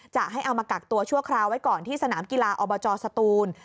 จะให้เอามากักตัวชั่วคราวไว้ก่อนที่สนามกีฬาอบจสตูน